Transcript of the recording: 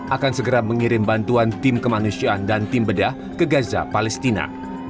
akan segera mengirim bantuan tim kemanusiaan dan tim bedah ke gaza palestina